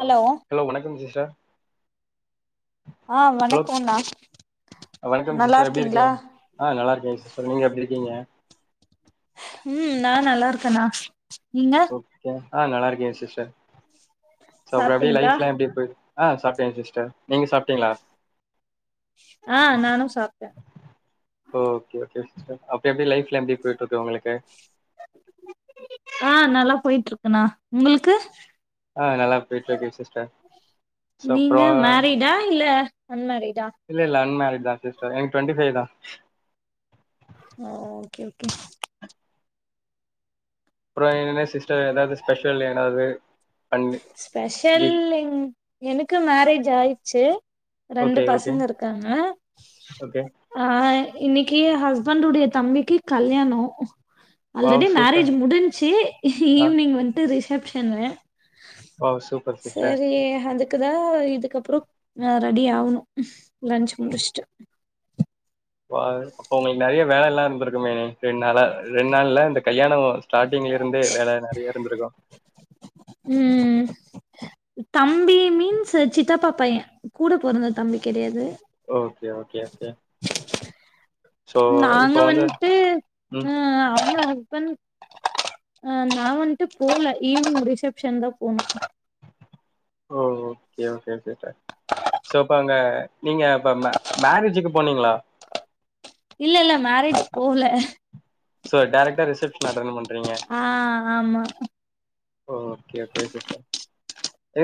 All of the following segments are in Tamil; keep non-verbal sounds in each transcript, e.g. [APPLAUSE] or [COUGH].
ஹலோ ஹலோ வணக்கம் சிஸ் க ஆ ஹலோ வணக்கோண்ணா வணக்கம் நல்லா சிஸ்டர் எப்டி இருக்கீங்களா இருக்கீங் ஆ நல்லா இருக்கே சிஸ்டர் நீங்க எப்டி இருக்கீங்க ம் நா நல்லா இருக்கனா ஓகே ஆ நல்லா இருக்கே சிஸ்டர் ச அப்டி சாப்ட்டீங்களா லைஃப்லா எப்டி போய் ஆ சாப்ட்டே சிஸ்டர் நீங்க சாப்ட்டிங்ளா ஆ நானு சாப்ட்ட ஓகே ஓகே சிஸ்டர் அப்ப எப்டி லைஃப்லா எப்டி போயிட்ருக்கு உங்களுக்கு ஆ நல்லா போயிட்ருக்குண்ணா உங்குளுக்கு ஆ நல்லா போயிட்ருக்கு சிஸ்டர் சோ அப்ற அன்மேரிடு இல்ல இல்ல அன்மேரிட் தா ஜஸ்ட்டு எனக்கு டுவண்டி ஃபைவ் தா ஓகே ஓகே அப்புறம் என்ன சிஸ்டர் ஏதாவது ஸ்பெஷல் ஏதாவது பண்ணி ஸ்பெஷல் டிஷ் இல் எனக்கு மேரேஜ் ஜாயிருச்சு ரெண்டு ஓகே ஓகே பசங்க இருக்காங்க ஓகே ஆ இன்னிக்கு ஹஸ்பண்டுடய தம்பிக் கு கல்யாணோ வாவ் ஆல்ரெடி சூப்பர் மேரேஜ் முடிஞ்சிச்சி ஆ ஈவினிங் வந்துட்டு ரிசப் ரிசெப்ஷனு வாவ் சூப்பர் சிஸ்டர் சரி அதுக்குதா இதுக்கப்புறோ நா ரெடி ஆவணோ லஞ்சு முடீஸ்டு அப்ப உங்களுக்கு நறைய வேலைலா இருந்திருக்குமே ரெண்டு நாளா ரெண்டு இல்ல இந்த கல்யாணோ ஸ்டார்டிங்ல இருந்து வேல நறைய இருந்திருக்கோ ம் தம்பி மீன்ஸ் சித்தாப்பா பைய கூட பொறந்த தம்பி கெடையாது oh okay okay okay so நாங்க இப்போ வந்து வந்துட்டு ம் அ அவுங்க ப்ப அ நா வந்த்ட்டு போல ஈவினிங் ரிசப்ஷன் தா போனோ oh okay okay super so அப்பங்க நீங்க இப்ப மே மேரெஜுக்கு போனீங்களா இல்ல இல்ல மேரேஜ் போகல சோ டேரக்டா ரிசப்ஷன் அட்டென்ட் பண்றீங்க ஆ ஆமா ஓகே ஓகே சிஸ்டர்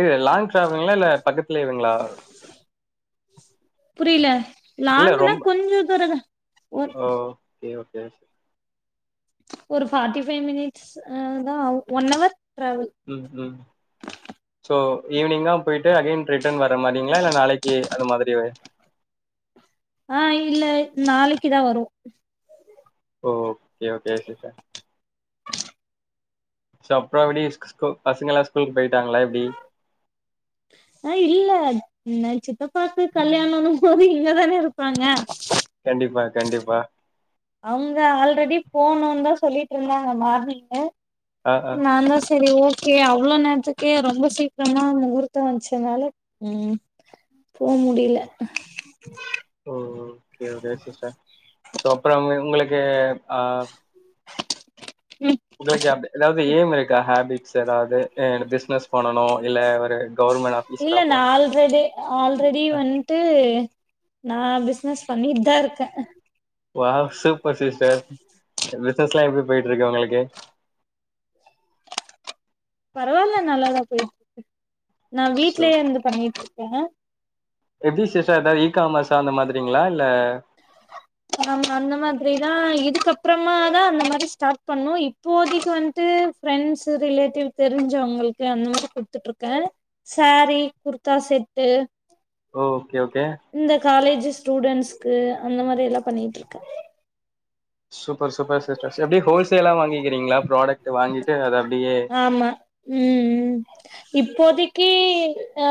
இல லாங் ட்ராவுங்களா இல்ல பக்கத்துலேவங்களா புரியல இல்ல லாங்குனா ரொம்ப கொஞ்ச தூரந்தா ஒரு ஓ கே ஓக் சரி ச ஒரு ஃபார்ட்டி ஃபைவ் மினிட்ஸ் அ தா ஆவு ஒன் அவர் ம் ம் சோ ஈவினிங்கா போயிட்டு அகைன் ரிட்டர்ன் வர மாரிங்களா இல்ல நாளைக்கு அது மாதிரி ஆஹ் இல்ல நாளைக்குதா வரு ஓ கே ஓகே சிஸ்டர் ச அப்புறொ எப்படி ஸு ஸ்கூ பசங்களா ஸ்கூலுக்கு போயிட்டாங்களா எப்டி ஆ இல்ல என்ன சித்தப்பாக்கு கல்யாணன்னும் போது இங்கதானே இரு ப்பாங்க கண்டிப்பா கண்டிப்பா அவங்க ஆல்ரெடி போனுன்தா சொல்லிட்டு இருந்தாங்க மார்னிங் ஆ ஆ நாந்தா சரி ஓ கே அவ்ளோ நேரத்துக்கே ரொம்ப சீக்கிரமா முகூர்த்தம் வச்சதுனால உம் போ முடியல ஓ ஒ [UNINTELLIGIBLE] சோ அப்புறம்ங்க உங்களுக்கு ஆஹ் ம், உங்களுக்கு அப்டு எதாவது ஏம் இருக்கா ஹேபிட் ஸ் எதாவது அ பிசினஸ் பண்ணனு இல்ல ஒரு கவர்மெண்ட் இல்ல ஆபீசரா நான் போனு ஆல்ரெடி ஆல்ரெடி அ ஸ்னஸ் பண்ணிட்டுதா இருக்க வாவ் சூப்பர் சிஸ்டர் பிசினஸ்ல்லா எப்டி போயிட்டு இருக்கு உங்களுக்கு பரவால்ல நல்லாதா போயட்ருக் நா சோ வீட்லயே இருந்து பண்ணிட்டுருக் கேங்க எப்டி சிஸ்டர் இந்த விகாமர்ஸ் அந்த மாதிரிங்களா இல்ல ஆமா அந்த மாதிரிதா இதுக்கப்புறமாதா அந்த மாரி ஸ்டார்ட் பண்ணணு இப்போதைக்கு வந்துட்டு ஃப்ரெண்ட்ஸ் ரிலேட்டிவ் தெரிஞ்சவங்களுக்கு அந்த மாதிரி குடுத்துட்டு இருக்க சேரீ குர்த்தா செட்டு ஓ இந்த காலேஜஸ் ஸ்டூடண்ட்ஸ்க்கு அந்த மாரி எல்லா பண்ணியிட்ருக்க சூப்பர் சூப்பர் சிஸ்ட ச எப்டி ஹோல் சேலா வாங்கிக்கிறீங்களா ப்ராடக்ட்ட வாங்கிட்டு அத அப் ஆமா ம் ம் இப் போதிக்கி ஆ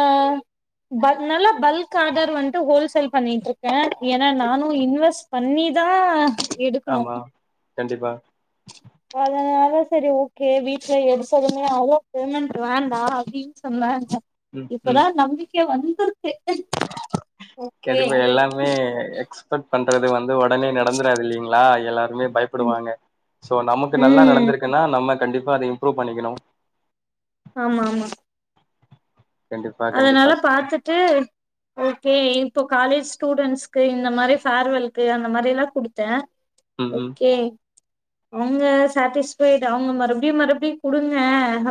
ப நல்லா பல்க் ஆடர் வன்ட்டு ஹோல் சேல் பண்ணியிட்ருக்கே ஏன்னா நானு இன்வெஸ் பண்ணிதா எடுக்கணு ஆமா கண்டிப்பா அதனால சரி ஓகே வீட்ல எடுத்ததுமே அவோ பேமெண்ட் வேண்டா அப்டின் சொன்னாங்க ம் ம் இப்பதா நம்பிக் கெ வந்த்ருக்கு கண்டப்பா எல்லாமே எக்ஸ் ப்பட் பண்றது வந் து ஒடனே நடந்துறாது இல்லிங்ளா எல்லா ருமே பயப்படுவாங்க சோ நமக்கு நல்லா ம் நடந்துருக்குன்னா நம்ம கண்டிப்பா அத இம்ப்ரூவ் பண்ணிக்கணு ஆமாமா கண்டிப்பா கண்டிப்பா அதனால சிஸ்டர் பாத்துட்டு ஓகே இப்போ காலேஜ் ஸ்டூடெண்ட்ஸ்கு இந்த மாரி ஃபேர்வெல்க்கு அந்த மாரிலா குடுத்த ம் ம் ஓகே அவுங்க சாட்டிஸ்ஃபைடு அவுங்க மறுபடியு மறுபடியு குடுங்க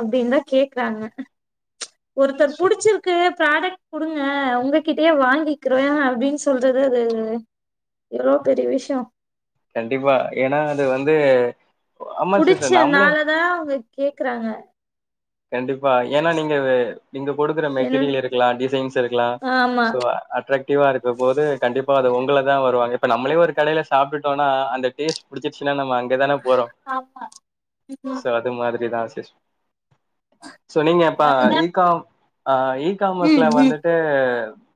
அப்டின்தா கேக்குறாங்க ஒருத்தர் சு புடிச்சிருக்கு ப்ராடக்ட் குடுங்க உங்ககிட்டயே வாங்கிக்கிற அப்டின் சொல்றது அது எவ்ளோ பெரிய விஷயோ கண்டிப்பா ஏனா அது வந்து ஆமா சிஸ்டர் நம்மளே புடிச்சனாலதா அவங்க கேக்குறாங்க கண்டி ப்பா ஏனா நீங்க அது நீங்க கொடுக்கற என்ன மெட்டீரியல் இருக்கலா டிசைன்ஸ் இருக்கலா ஆமா சோ அட்ராக்டிவா இருக்கும் போது கண்டிப்பா அது உங்களதா வருவாங்க இப்ப நம்மளே ஒரு கடைல சாப்டுட் னா அந்த டேஸ்ட் புடிச்ருச்சுனா நம்ம அங் கதானே போறோ ஆமா ம் சோ அது மாதிரிதா சிஸ் சொன்னிங்க அப்ப அதனால ஈ காம் ஆ இ ம் காமர்ஸ்ல ம் வந்துட்டு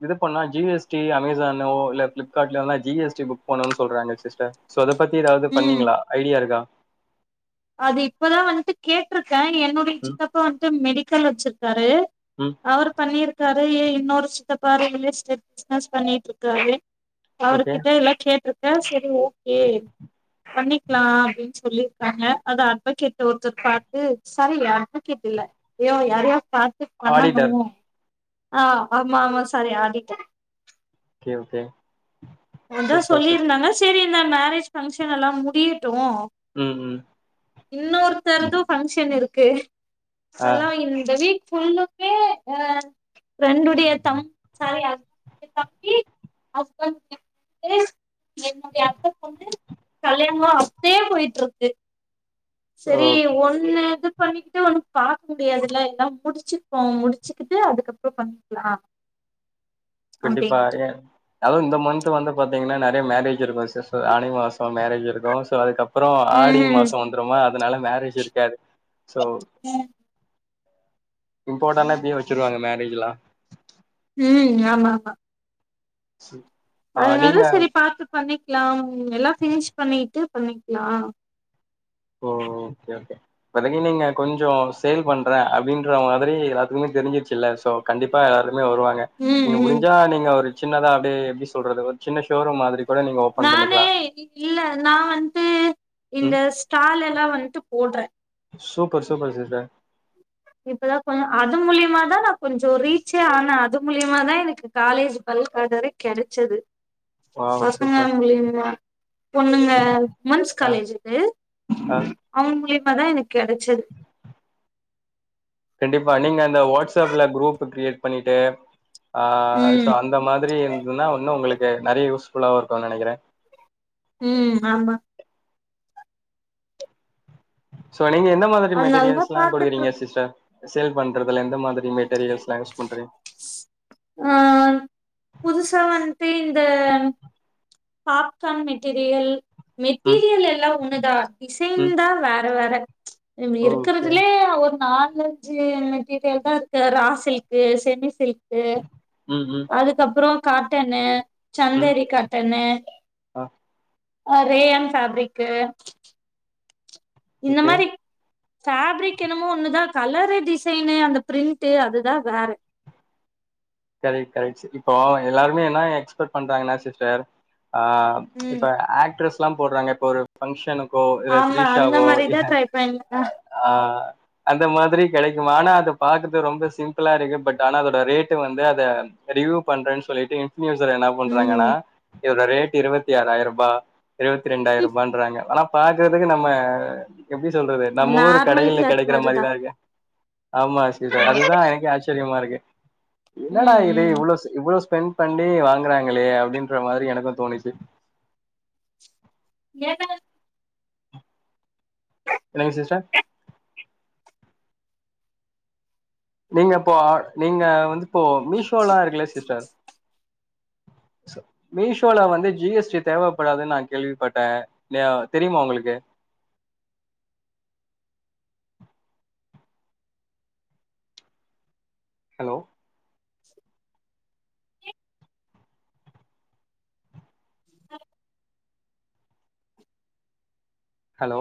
இது பண்ணா ஜி எஸ் டி அமேசானோ இல்ல ஃபிளிப்கார்ட்லல்லா ஜி எஸ் டி புக் பண்ணுனுன் சொல்றாங்க சிஸ்டர் சோ அத பத்தி எதாவது ம் பண்ணிங்ளா ஐடியா இருக்கா அது இப்பதா வந்ட்டு கேட்ருக் கே என்னுடைய ம் சித்தப்பா வன்ட்டு மெடிக்கல் வெச்சுர் வர் ம் அவர் பண்ணியிருக்காரு ஏ இந் இன்னொரு சித்தப்பா ரெயலஸ்ட் பிசினஸ் பண்ணிட்டு இருக்காரு அவர் ஓகே கிட்ட இல்லாம் கேட்டு ஆ சரி ஓகே பண்ணிக்கலாம் அப்படின்னு சொல்லியிருக்காங்க அத அட்வகேட் ஒருத்தர் பார்த்து சரி அட்வகேட் இல்ல யோ யாரையா பா ஆடிட்டர் பண்ணணும் ஆஹ் ஆமா ஆமா சாரி ஆடிட்டர் ஓகே ஓகே மொத சூப்பர் சிஸ் சொல்லியிருந்தாங்க சரி இந்த மேரேஜ் பங்க்ஷன் எல்லாம் முடிட் உம் உம் இன்னொருத்தர்தும் ஃங்க்ஷன் இருக்கு ஆ சொலாம் இந்த வீக் ஃபுல்லுமே அஹ ஃப்ரெண்டுடைய தம்ப சாரி தம்பி ஹஸ்பண்ட் [INAUDIBLE] என்னுடைய அத்த பொண்ணு கல்யாணாம் அப்படியே போயிட்டு இருக்கு ஓ சரி ஒன் தூ பண்ணிக்கிட்டட்டு ஒண்ணும் பாக்க முடியாதுல்ல எல்லாம் முடிச்சுப்போம் முடிச்சுக்கிட்டு அதுக்கப்புறம் பண்ணிக்கலாம் கண்டிப்பா எ அது இந்த மந்த்த் வந்து பாத்தீங்கன்னா நிறைய மேரேஜ் இருக்கும் ச அனி மா மேரேஜ் இருக்கும் சோ அதுக்கப்புறம் ஆடி ம் மாசம் வந்துடும்மா அதனால மேரேஜ் இருக்கு கது சோ இம்பார்டான்லா வச்சிருவாங்க மேரேஜ்லாம் உம் ஆமா ஆமா [INAUDIBLE] அதனால நீங்க சரி பாத்து பண்ணி லாம் எல்லாம் பினிஷ் பண்ணிட்டு பண்ணிக்லாம் ஓ ஓகே ஓகே இை நீங்க கொஞ்சம் சேல் பண்றேன் அப்படின்ற மாதிரி எல்லாத்துக்குமே தெரிஞ்சிருச்சுல்ல சோ கண்டிப்பா எல்லாரு வருவாங்க ம் நீங்க ம் முடிஞ்சா நீங்க ஒரு சின்னதா அப்படியே எப்படி சொல்றது ஒரு சின்ன ஷோரூம் மாதிரி கூட நீங்க ஓபன் நானே பண்ணிக்கலா இல்ல நா வந்து இந்த ம் ஸ்டால் எல்லாம் வந்துட்டு போடுறே சூப்பர் சூப்பர் சித்தே இப்பதான் கொஞ்சம் அது மூலயமாதா நா கொஞ்சம் ரீச்சே ஆனேன் அது மூலியமாதா எனக்கு காலேஜ் பல்க் ஆடரே கிடைச்சது வாவ் பசங்க சூப்பர் மலிமா பொண்ணுங்க உமன்ஸ் ஆ காலேஜக்கு ஆ அவங்குள்ளே அப்பதா எனக்கு கெடைச்சது கண்டிப்பா நீங்க அந்த வாட்ஸ்அப்ல குரூப் கிரியேட் பண்ணிட்டு ஆ சோ ம் அந்த மாதிரி இருந்ததுன்னா ஒன்னு உங்களுக்கு நறைய யூஸ்புல்லாவு இருக்கும்னு நெனைக்கிறே உம் ஆமா சோ நீங்க எந்த மாதிரி அதனாலதா மெட்டீரியல்ஸ்லா பாத்துட்டு குடுக்குறீங்க இருக் சிஸ்டர் சேல் பண்றதுல எந்த மாதிரி மெட்டீரியல்ஸ்லா யூஸ் பண்றிங்க ஆ புதுசா வந்துட்டு இந்த பாப்கான் மெட்டீரியல் ம் மெட்டீரியல் எல்லாம் ஒண்ணுதா டிசைன் ம் தா வேற வேற இவர் ஓகே இருக்கறதுலேயே நாலஞ்சு மெட்டீரியல் தா இருக்கு ரா சில்க்கு செமி சில்க் க்கு ம் ம் அதுக்கப்புறோ காட்டனு ம் சந்தேரி காட் டனு ஆ ஆ ரேயன் ஃபாப்ரிக்கு இந்த ஓகே மாரி ஃப்ரிக் என்னமோ ஒண்ணுதா கலரு டிசைனு அந்த பிரிண்ட்டு அதுதா வேற. கரெக்ட்டு கரெக்ட்டு இப்போ எல்லாருமே என்ன எக்ஸ்பெர்ட் பண்றாங்கன்னா சிஸ்டர். ஆ ம்ச் இப்ப ம் ஆக்ட்ரஸ். ல்லாம் போடுறாங்க இப்ப ஒரு பங்க்ஷன். ஆமா அந்த மாதிரிதா ட்ரை பண்ண. ஆ அந்த மாதிரி கிடைக்குமானு அது பாத்துட்டு ரொம்ப சிம்பிளா இருக்கு பட் ஆனா அதோட ரேட். வந்து அத ரிவியூ பண்றேன்னு சொல்லிட்டு இன். இன்ஃபியூசர் என்ன பண்றாங்கன்னா. ம் இதோட ரேட் இருபத்தி ஆறாயிருபா. இருபத்தி ரெண்டாயிரம் ரூபான்றாங்க. பாக்குறதுக்கு நம்ம. எப்படி சொல்றது நம்ம ஊரு நார்மல் கடைகல்ல கிளாத் கெடைக்கிற மாரிதா இல்லையா. ஆமா சீஸ்டர் அதுதா எனக்கே ஆச்சரியமா இருக்கு. க்கு என்னடா ம் இது ம் இவ்வள இவ்ள ஸ்பெண்ட் பண்ணி வாங்குறாங்களே அப்படின்ற மாரி எனக்கு தோணுச்சு. ஏதல் என்னங்க சிஸ்டர் நீங்கப்போ ஆ நீங்க வந்து இப்போ மீஷோல்லா இருக்குல சிஸ்டர் மீஷோல வந்து ஜி எஸ் டி தேவப்படாதுன்னு நா கேள்விப்பட்டே லியா தெரியுமா உங்களுக்கு ஹலோ. கே தா ஹலோ.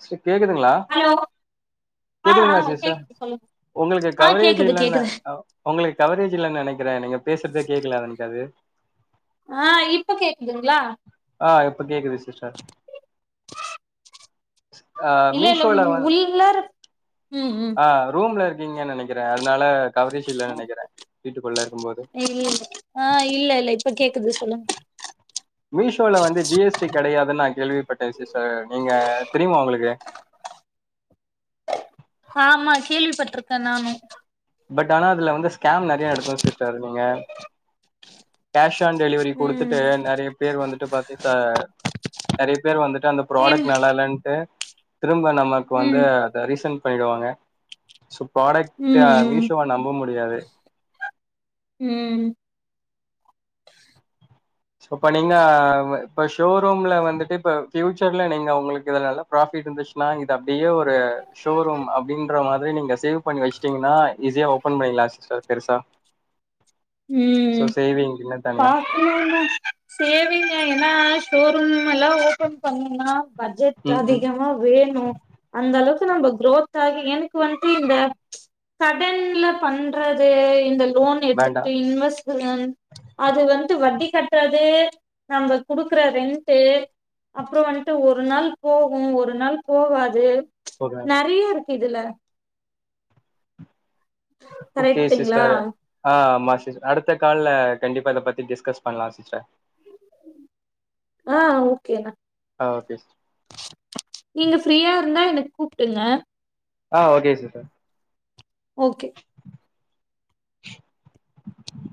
ச கேக்குதுங்களா ஹலோ ஆ ஆ கேக்குதுங்களா சிஸ்டர் கேக்குது சொல்லுங்க உங்களுக்கு ஆ கவரேஜ் கேக்குது இல்ல கேக்குது உங்களுக்கு கவரேஜ் இல்ல நெனைக்கிறே நீங்க பேசுறதே கேக்கல எனக்கு அது ஆ இப்ப கேக்குதுங்களா ஆ இப்ப கேக்குது சிஸ்டர் ஆ இல்ல இல்ல மீஷோல வ உள்ளார ம் ம் ஆ ரூம்ல இரு ப்பிங்கன் நெனைக்கறே அதனால கவரேஜ் இல்லன்னு நெனைக்கிறே வீட்டுக்குள்ள இருக்கும்போது ம், ஆ இல்ல இல்ல இப்ப கேக் குது சொல்லுங் மீஷோல வந்து ஜி எஸ் டி கடையா துனு நா கேள்விப்பட்டே சிஸ்டர் நீங்க தெரியுமா உங்களுக்கு ஆமா கேள்விப்பட்ருக்கே நானு பட் ஆனா அதுல வந்து ஸ்கேம் நறைய நடக்கு சிஸ்டர், நீங்க கேஷ் ஆன் டெலிவரி ம் குடுத்துட்டு நறைய பேர் வந்துட்டு பாத்து ச நறைய பேர் வந்து ட்டு அந்தப் சேம் ப்ராடெக்ட் நல்லா இல்லன்ட்டு திரும்ப நமக்கு வந்து ம் அத ரீசன் பண்ணிடுவாங்க சோ ம் ப்ராடெக்ட்ட நம்ப முடியாது ம் சோ இப்ப நீங்க இப்ப ஷோரூம்ல வந்துட்டு இப்ப பியூச்சர்ல நீங்க உங்களுக்கு இதுல நல்ல ப்ராபிட் இருந்துச்சுனா இத அப்டியே ஒரு ஷோரூம் அப்டின்ற மாரி நீங்க சேவ் பண்ணி வச்சிட்டீங்னா ஈஸியா ஓபன் பணிக்லா சிஸ்டர் பெருசா ஸோ ம் சேவிங் என்ன தனியா பாக்கனுந்தா சேவிங்க ஏனா ஷோரூம் எல்லா ஓபன் பண்ணுணா பட்ஜெட் ம் ம் அதிகமா வேணு அந்த அளவுக் ந ரோத் ஆகி எனக்கு வண்டு இந்த ம்ச் சடன்ல பண்றது இந்த லோன் எடுத் வேண்டா டு இன்வெஸ்ட்மென்ட் அது வந்து வட்டிக் கட்டுறது நம்ம குடுக்குற ரெண்டு அப்புறோ வண்டு ஒரு நாள் போகு ஒரு நாள் போவாது போகாது நெறைய இருக்கு இதுல ஓக்கே கரெக்ட்டுங்களா சிஸ்டர் ஆ மஸ் அடுத்த கால்ல கண்டிப்பா இதப் பத்தி டிஸ்கஸ் பண்ணலா சிஸ்டர் ஆ ஓக்கேணா ஆ ஓகே சிஸ் நீங்க ஃப்ரீயா இருந்தா எனக் கூப்டுருங்க ஆ ஓககே ஸிஸ்டர் ஓக்கே [INAUDIBLE]